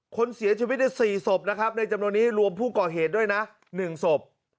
คนเสียชีวิตใน๔ศพนะครับในจำนวนนี้รวมผู้ก่อเหตุด้วยนะ๑ศพ